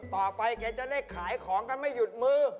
แกจะได้ขายของกันไม่หยุดมือ